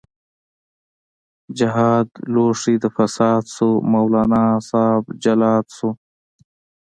جهاد لوښۍ د فساد شو، مولانا صاحب جلاد شو